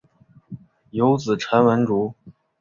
有子陈文烛。